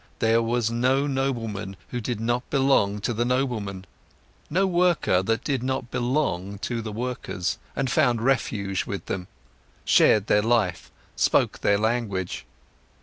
There was no nobleman who did not belong to the noblemen, no worker that did not belong to the workers, and found refuge with them, shared their life, spoke their language.